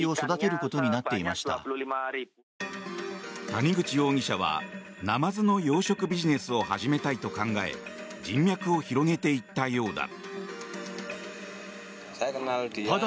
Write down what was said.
谷口容疑者はナマズの養殖ビジネスを始めたいと考え人脈を広げていったようだ。